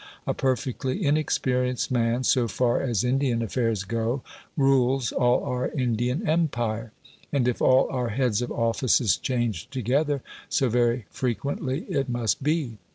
A perfectly inexperienced man, so far as Indian affairs go, rules all our Indian Empire. And if all our heads of offices change together, so very frequently it must be.